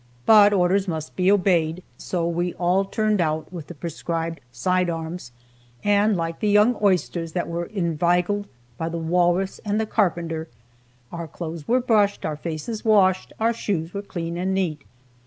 But orders must be obeyed, so we all turned out with the prescribed "side arms," and, like the young oysters that were inveigled by the Walrus and the Carpenter, "Our clothes were brushed, our faces washed, Our shoes were clean and neat."